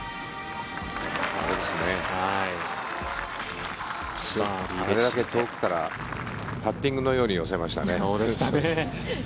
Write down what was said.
あれだけ遠くからパッティングのように寄せましたね。